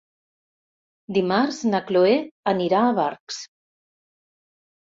Dimarts na Chloé anirà a Barx.